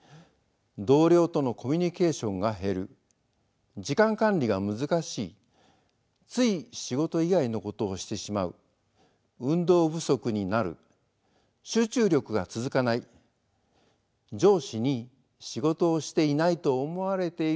「同僚とのコミュニケーションが減る」「時間管理が難しい」「つい仕事以外のことをしてしまう」「運動不足になる」「集中力が続かない」「上司に仕事をしていないと思われているのではないかと心配になる」